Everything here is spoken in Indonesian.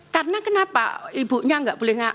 karena kenapa ibunya enggak boleh